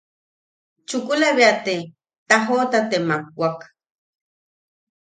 Chukula bea te tajoʼota te makwak.